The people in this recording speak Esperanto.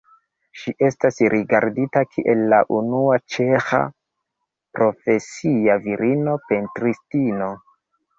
Ŝi estas rigardita kiel la unua ĉeĥa profesia virino pentristino.